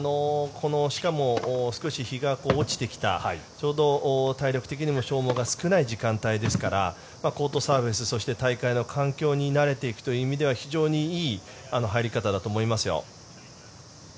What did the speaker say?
しかも少し日が落ちてきたちょうど体力的にも消耗が少ない時間帯ですからコートサービスそして、大会の環境に慣れていくという面では非常にいい入り方だと思いますよ。